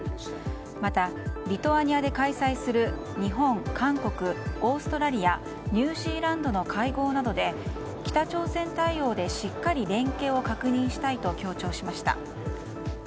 また、リトアニアで開催する日本、韓国オーストラリアニュージーランドの会合などで北朝鮮対応でしっかり連携を確認したいと強調しました。